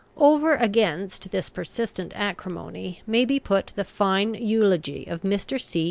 Over against this persistent acrimony may be put the fine eulogy of Mr. C.